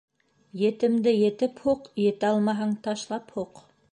Етемде етеп һуҡ, етә алмаһаң, ташлап һуҡ.